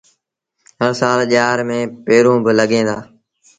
هر سآل ڄآر ميݩ پيٚنرون با لڳيٚن دآ۔